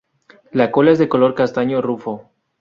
La cola es color castaño rufo.